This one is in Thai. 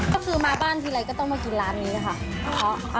ก็คือมาบ้านทีไรก็ต้องมากินร้านนี้ค่ะ